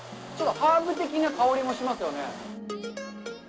ちょっとハーブ的な香りもしますよね。